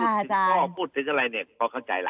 ค่ะอาจารย์พูดถึงพ่อพูดถึงอะไรเนี่ย